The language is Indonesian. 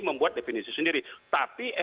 membuat definisi sendiri tapi